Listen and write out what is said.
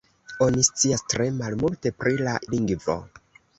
Oni scias tre malmulte pri la lingvo.